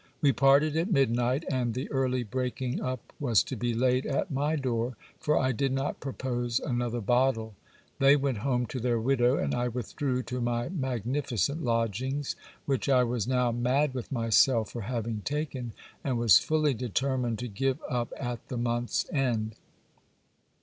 We parted at midnight ; and the early breaking up was to be laid at my door; for I did hot propose another bottle. They went home to their widow, and I withdrew to my magnificent lodgings, which I was now mad with myself for having taken, and was fully determined to give up at the month's end.